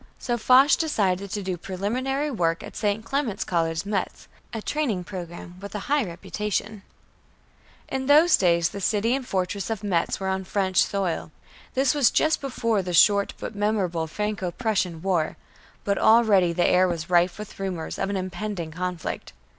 So Foch decided to do preliminary work at St. Clement's College, Metz, a training school with a high reputation. In those days the city and fortress of Metz were on French soil. This was just before the short but memorable Franco Prussian War, but already the air was rife with rumors of an impending conflict.